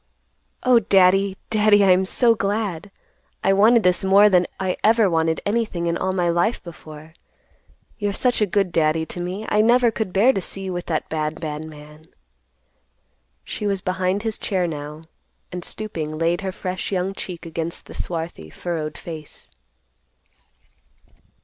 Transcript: "Oh, Daddy, Daddy, I'm so glad! I wanted this more than I ever wanted anything in all my life before. You're such a good Daddy to me, I never could bear to see you with that bad, bad man." She was behind his chair now, and, stooping, laid her fresh young cheek against the swarthy, furrowed face.